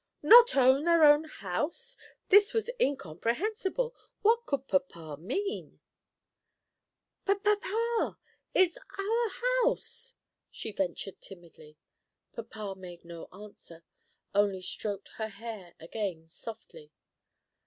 Not own their own house! This was incomprehensible. What could papa mean? "But, papa, it's our house!" she ventured timidly. Papa made no answer, only stroked her hair again softly.